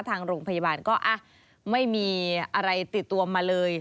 ทางโรงพยาบาลก็ไม่มีอะไรติดตัวมาเลย